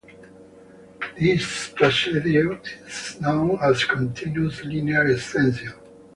This procedure is known as continuous linear extension.